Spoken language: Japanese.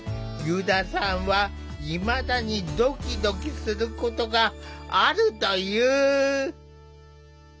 油田さんはいまだにどきどきすることがあるという。